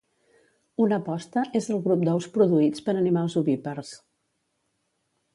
Una posta és el grup d'ous produïts per animals ovípars